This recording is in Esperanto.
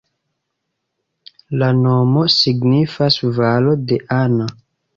La nomo signifas valo de Anna.